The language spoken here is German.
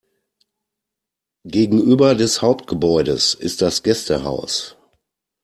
Gegenüber des Hauptgebäudes ist das Gästehaus.